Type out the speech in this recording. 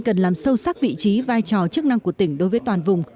cần làm sâu sắc vị trí vai trò chức năng của tỉnh đối với toàn vùng